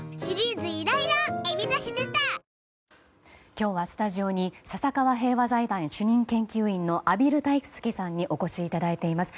今日はスタジオに笹川平和財団主任研究員の畔蒜泰助さんにお越しいただいています。